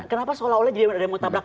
kenapa seolah olah jadi ada yang mau tabrak